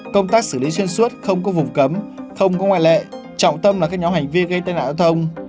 công tác xử lý xuyên suốt không có vùng cấm không có ngoại lệ trọng tâm là các nhóm hành vi gây tai nạn giao thông